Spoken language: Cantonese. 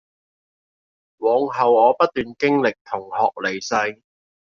往後我不斷經歷同學離世